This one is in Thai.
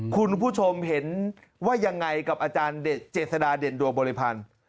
คุณผู้ชมเห็นว่ายังไงกับอาจารย์เจษฎาเด่นดวงบริพันธ์